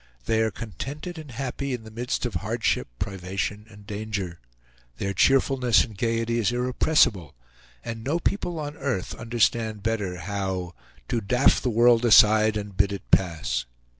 They are contented and happy in the midst of hardship, privation, and danger. Their cheerfulness and gayety is irrepressible, and no people on earth understand better how "to daff the world aside and bid it pass."